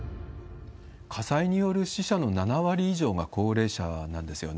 火災による死者の７割以上が高齢者なんですよね。